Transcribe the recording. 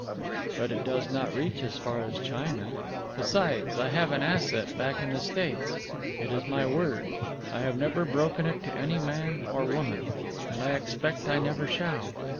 "But it does not reach as far as China. Besides, I have an asset back in the States. It is my word. I have never broken it to any man or woman, and I expect I never shall.